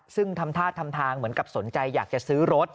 ซึ่งทำท่าทำทางเหมือนกับสนใจอยากจะซื้อรถ